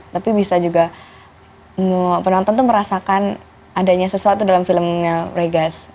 tapi bisa juga penonton tuh merasakan adanya sesuatu dalam filmnya regas